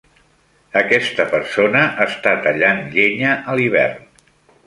Aquesta persona està tallant llenya a l'hivern.